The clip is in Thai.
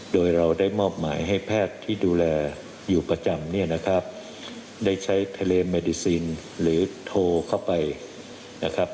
โดยเราได้มอบหมายให้แพทย์ที่ดูแลอยู่ประจำเนี่ยนะครับได้ใช้ทะเลเมดิซินหรือโทรเข้าไปนะครับ